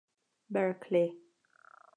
Berkeley.